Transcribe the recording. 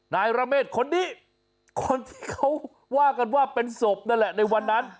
นายระเมฆคนนี้คนที่เขาว่ากันว่าเป็นศพนั่นแหละในวันนั้น